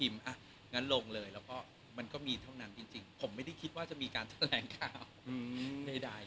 มันก็มีเท่านั้นจริงผมไม่ได้คิดว่าจะมีการแสลงข่าวในใด